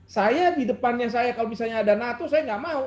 saya di depannya saya kalau misalnya ada nato saya nggak mau